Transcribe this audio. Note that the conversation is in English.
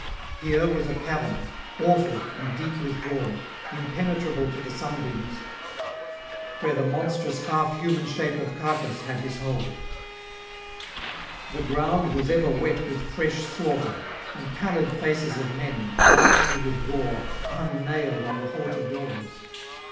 Here was a cavern, awful and deep withdrawn, impenetrable to the sunbeams, where the monstrous half human shape of Cacus had his hold: the ground was ever wet with fresh slaughter, and pallid faces of men, ghastly with gore, hung nailed on the haughty doors.